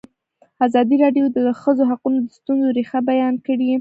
ازادي راډیو د د ښځو حقونه د ستونزو رېښه بیان کړې.